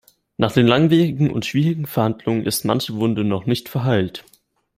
Nach den langwierigen und schwierigen Verhandlungen ist manche Wunde noch nicht verheilt.